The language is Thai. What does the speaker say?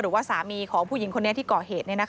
หรือว่าสามีของผู้หญิงคนนี้ที่ก่อเหตุ